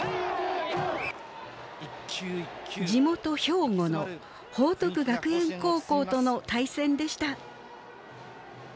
地元兵庫の報徳学園高校との対戦でした。